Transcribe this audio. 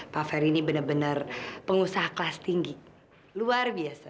pak ferry ini benar benar pengusaha kelas tinggi luar biasa